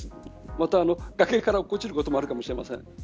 また、崖から落っこちることもあるかもしれません。